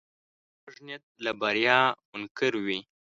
کوږ نیت له بریا منکر وي